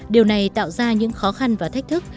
điều này tạo ra những khó khăn và thách thức